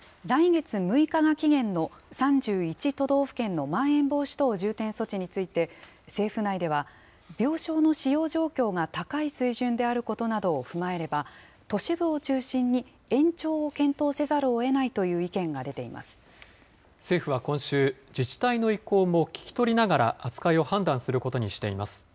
来月６日が期限の３１都道府県のまん延防止等重点措置について、政府内では、病床の使用状況が高い水準であることなどを踏まえれば、都市部を中心に延長を検討せざるをえないという意見が出てい政府は今週、自治体の意向も聞き取りながら、扱いを判断することにしています。